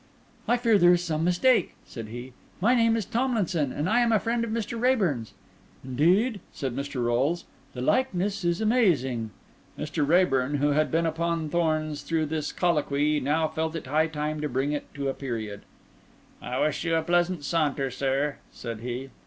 "I fear there is some mistake," said he. "My name is Thomlinson and I am a friend of Mr. Raeburn's." "Indeed?" said Mr. Rolles. "The likeness is amazing." Mr. Raeburn, who had been upon thorns throughout this colloquy, now felt it high time to bring it to a period. "I wish you a pleasant saunter, sir," said he.